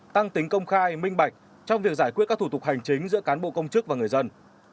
tăng tính công khai minh bạch trong việc giải quyết các thủ tục hành chính giữa cán bộ công chức và người dân